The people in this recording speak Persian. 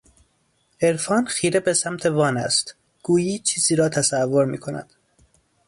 عرفان خیره به سمت وان است گویی چیزی را تصور میکند